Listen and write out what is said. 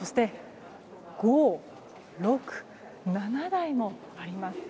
５、６、７台もあります。